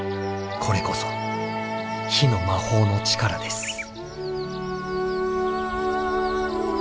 これこそ火の魔法の力です。